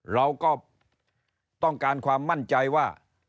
เราก็ต้องการความมั่นใจว่า